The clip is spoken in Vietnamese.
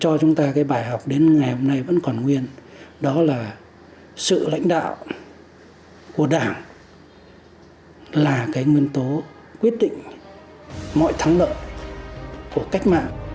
cho chúng ta cái bài học đến ngày hôm nay vẫn còn nguyên đó là sự lãnh đạo của đảng là cái nguyên tố quyết định mọi thắng lợi của cách mạng